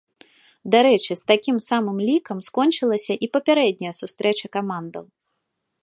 Дарэчы, з такім самым лікам скончылася і папярэдняя сустрэча камандаў.